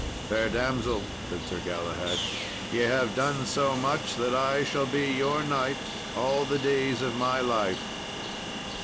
"Fair damsel," said Sir Galahad, "ye have done so much that I shall be your knight all the days of my life."